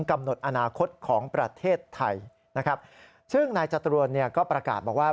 กำหนดอนาคตของประเทศไทยนะครับซึ่งนายจรวนเนี่ยก็ประกาศบอกว่า